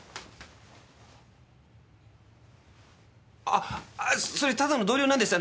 あっそれただの同僚なんです！